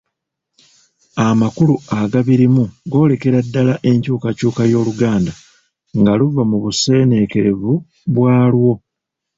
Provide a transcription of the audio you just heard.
Amakulu agabirimu goolekera ddala enkyukakyuka y’Oluganda nga luva mu buseneekerevu bwalwo